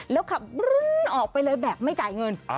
แล้วขับบรื้นออกไปเลยแบบไม่จ่ายเงิน